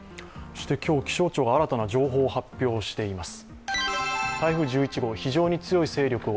今日、気象庁が新たな情報を発表しています。